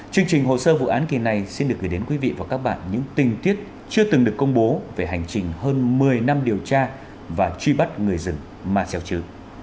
chương trình hồ sơ vụ án kỳ này xin được gửi đến quý vị và các bạn những tình tiết chưa từng được công bố về hành trình hơn một mươi năm điều tra và truy bắt người dân ma gieo trứ